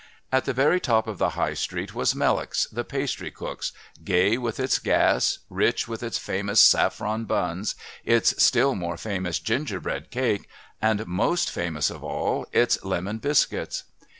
At the very top of the High Street was Mellock's the pastry cook's, gay with its gas, rich with its famous saffron buns, its still more famous ginger bread cake, and, most famous of all, its lemon biscuits.